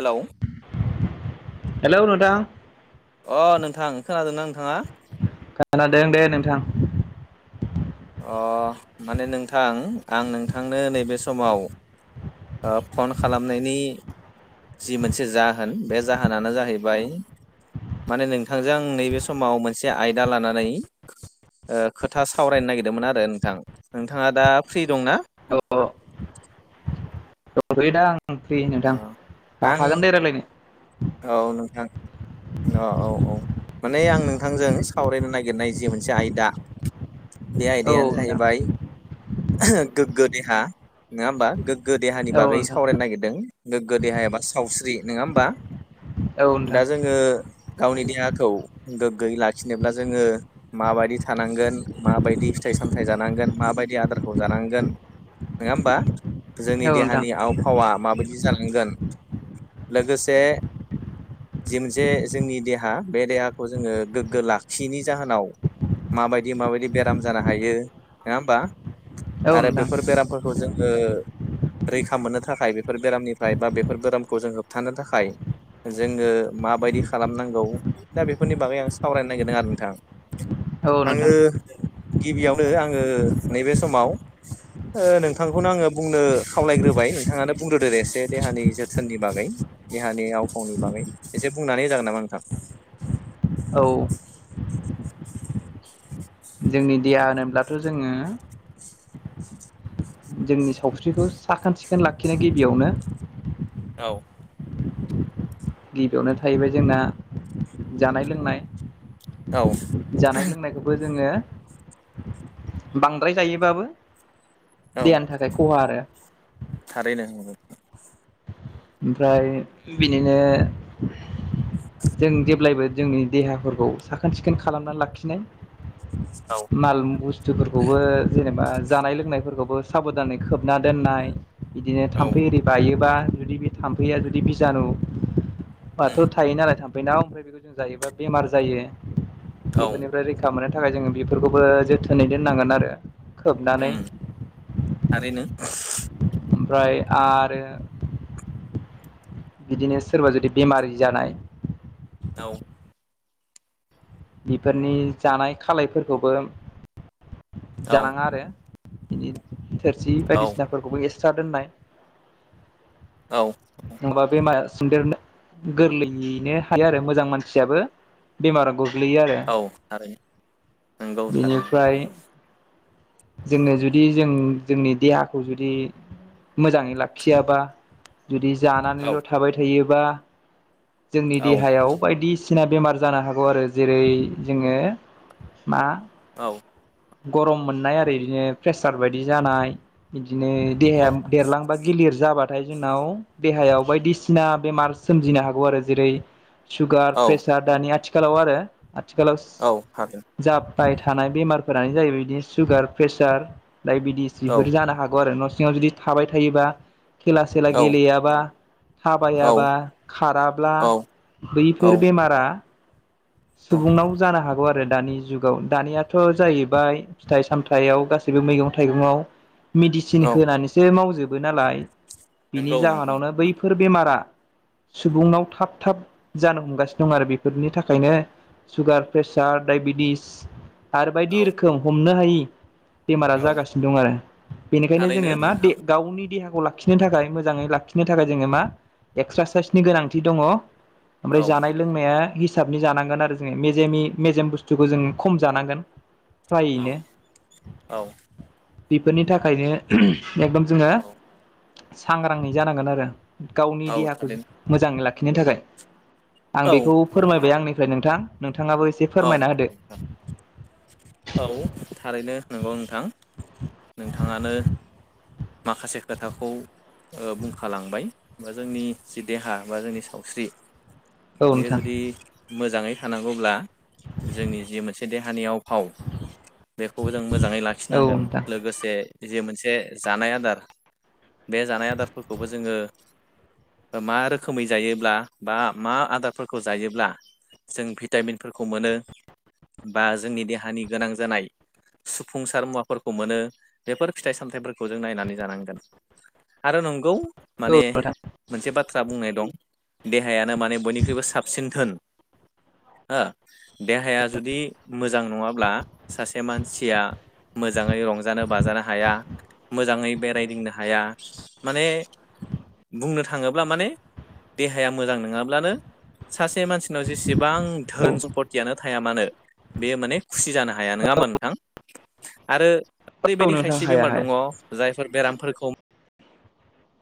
Hello hello नोंथां। अ नोंथां खोनादोंना नोंथाङा? खोनादों दे नोंथां। अ माने नोंथां आं नोंथांनो नैबे समाव ओ फन खालामनायनि जि मोनसे जाहोन बे जाहोनानो जाहैबाय माने नोंथांजों आं नैबे समाव मोनसे आयदा लानानै ओ खोथा सावरायनो नागिरदोंमोन आरो नोंथां नोंथाङा दा फ्रि दंना? दंथ'योदा आं फ्रि अ नोंथां आं हाखागोन दे रायरायनो। औ नोंथां। अ औ औ माने आं नोंथांजों सावरायनो नागिरनाय जि मोनसे आयदा बे औ आयदानो नोंथां जाहैबाय गोग्गो देहा नोङा होमबा? गो देहानि औ बागै नोंथां सावरायनो नागिरदों गोग्गो देहा एबा सावस्रि नोङा होमबा? औ नोंथां दा जोङो गावनि देहाखौ गोग्गोयै लाखिनोब्ला जोङो माबादि थानांगोन माबायदि फिथाइ सामथाइ जानांगोन माबायदि आदारखौ जानांगोन नोङा होमबा? जोंनि औ नोंथां देहानि आव फावा माबायदि जालांगोन लोगोसे जि मोनसेे जोंनि देहा बे देहाखौ जोङो गोग्गो लाखियिनि जाहोनाव माबायदि माबायदि बेराम जानो हायो नोङा होमबा? औ आरो नोंथां बेफोर बेरामफोरखौ जोङो रैखा मोननो थाखाय बेफोर बेरामनिफ्राय बा बेफोर बेरामखौ जों होबथानो थाखाय जोङो माबायदि खालामनांगौ दा बेफोरनि बागै आं सावरायनो नागेरदों आरो नोंथां। औ नोंथां आङो गिबियावनो आङो नैबे समाव ओ नोंथांखौनो आङो बुंनो खावलायग्रोबाय नोंथाङानो बुंग्रोदो एसे देहानि जोथोननि बागै। देहानि आव फावनि बागै एसे बुंनानै होजागोन नामा नोंथां? औ। जोंनि देहा होनोब्लाथ' जोङो जोंनि सावस्रिखौ साखोन सिखोन लाखिनाय गिबियावनो। औ। गिबियावनो थाहैबाय जोंना जानाय लोंनाय। जानाय लोंनायखौबो जोङो बांद्राय जायोबाबो औ देहानि थाखाय ख'हा आरो। थारैनो [unintelligible] ओमफ्राय बिनिनो जों जेब्लायबो जोंनि देहाफोरखौ साखोन सिखोन खालामना लाखिनाय। औ। माल बुस्थुफोरखौबो जेनेबा जानाय लोंनायफोरखौबो साब'धानै खोबना दोननाय। बिदिनो औ थाम्फै एओरि बायोबा जुदि बे थाम्फैया जुदि बिजानु उम बाथ' थायो नालाय थांफै न ओमफ्राय बेखौ जों जायोबा बेमार जायो औ बेफोरनि फ्राय रैखा मोननो थाखाय जोङो बेफोरखौबो जोथोनै दोननांगोन आरो खोबनानै आरोैनो ओमफ्राय आरो बिदिनो सोरबा जुदि बेमारि जानाय दउ बेफोरनि जानाय खालायफोरखौबो औ जानाङा आरो बि थोरसि औ बायदिसिना फोरखौबो एसट्रा दोननाय औ। नङाबा बेमार सदेरनो गोरलैयैनो हायो आरो मोजां मानसियाबो बेमारा गोग्लैयो आरो औ थारैनो नंगौ थारैनो बेनिफ्राय जोंनो जुदि जों जोंनि देहाखौ जुदि मोजाङै लाखियाबा जुदि जानानैल' औ थाबाय थायोबा जोंनि औ देहायाव बायदिना सिना बेमार जानो हागौ आरो जेरै जोङो मा औ। गरम मोननाय आरो बिदिनो प्रेसार बायदि जानाय बिदिनो देहाया औ देरलांबा गिलिर जाबा नाथाय जोंनाव देहायाव बायदिसिना बेमार सोमजिनो हागौ आरो जेरै सुगार औ प्रेसार दानि आथिखालाव आरो आथिखालाव औ हागोन। जाब्बाय थानाय बेमारफोरानो जाहैबाय बिदिनो सुगार प्रेसार डाइबिटिस औ बेफोर जानो हागौ आरो न' सिङाव जुदि थाबाय थायोबा खेला सेला औ गेलेयाबा थाबायाबा खाराब्ला औ औ बैफोर बेमारा सुबुंनाव जानो हागौ आरो दानि जुग दानियाथ' जाहैबाय फिथाइ सामथायाइयाव गासैबो मैगं थाइगंआव मेडिसिन औ होनानैसो मावजोबो नालाय बिनि नंगौ नोंथां जाहोनावनो बै बेफोर बेमारा सुबुंुनाव थाब थाब जानो हमगासिनो दं आरो बेफोरनि थाखायनो सुगार प्रेसार डाइबेटिस आरो औ बायदि रोखोम हमनो हायि बेमारा औ जागासिनो दं आरो बेनिखायनो थारैनो जोङो मा नोंथां गावनि देहाखौ ला लाखिनो थाखाय मोजाङै लाखिनो थाखाय जोङो मा एक्सारसाइसनि गोनांथि दङ औ ओमफ्राय जानाय लोंनाया हिसाबनि जानांगोन आरो जोङो मेजेमनि मेजेम बुस्थुखौ जों खम जानांगोन औ फ्रायैनो औ बेफोरनि थाखायनो एकदम जोङो औ सांग्राङै जानांगोन आरो गावनि औ देहाखौ थारैनो मोजां लाखिनो थाखाय आं औ बेखौ फोरमायबाय आंनिफ्राय नोंथां नोंथाङाबो एसे औ फोरमायना होदो। औ थारैनो नंगौ नोंथां नोंथाङानो माखासे खोथाखौ बुंखालांबाय बा जोंनि जि देहा बा जोंनि सावस्रि औ बेयो नोंथां जुदि मोजाङै थानांगौब्ला जोंनि जि मोनसे देहानि आव-फाव बेखौबो जों मोजाङै औ लाखिनांगोन नोंथां लोगोसे जे मोनसे जानाय आदार बे जानाय आदारफोरखौबो जोङो मा रोखोमै जायोब्ला बा मा आदारफोरखौ जायोब्ला जों भिटामिनफोरखौ मोनो बा जोंनि देहानि गोनां जानाय सुफुंसार मुवाफोरखौ मोनो बेफोर फिथाइ सामथायाइफोरखौ खौ जों नायनानै जानांगोन आरो नंगौ औ माने नोंथां मोनसे बाथ्रा बुंनाय दं देहायानो माने बयनिख्रुइबो साबसिन धोन हो देहाया जुदि मोजां नङाब्ला सासे मानसिया मोजांङै रंजानो बाजानो हाया मोजांङै बेरायदिंनो हाया। माने बुंनो थांङोब्ला माने देहाया मोजां नोंङाब्लानो सासे मानसिनाव जेसेबां औ धोन सम्पतियानो थाया मानो बेयो माने खुसि जानो हाया नोंङा होमाबा नोंथां। आरो औ ओरैबायदि नोंथां खायसे हाया बेमार हाया दंङ जायफोर बेरामफोरखौ